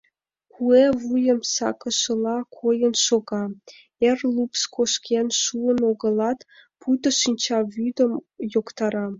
Куэ вуйым сакышыла койын шога, эр лупс кошкен шуын огылат, пуйто шинчавӱдым йоктара.